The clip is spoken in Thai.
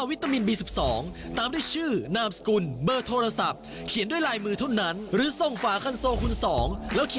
รถมอเตอร์ไซต์ก็สวยด้วยนะใครอยากได้